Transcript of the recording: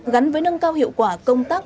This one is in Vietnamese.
gắn với nâng cao hiệu quả công tác